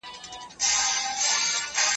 تاریخي څو پیړیو حال د علم د منطق ملاتړ کوي.